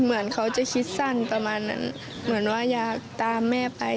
เหมือนเขาจะคิดสั้นประมาณนั้นเหมือนว่าอยากตามแม่ไป